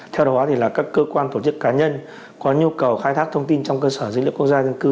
theo đó là các cơ quan tổ chức cá nhân có nhu cầu khai thác thông tin trong cơ sở dữ liệu quốc gia dân cư